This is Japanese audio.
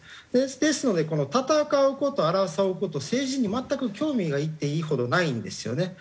ですので戦う事争う事政治に全く興味がいっていいほどないんですよね。